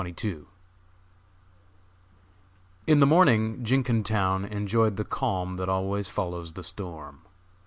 _ In the morning Jenkintown enjoyed the calm that always follows the storm.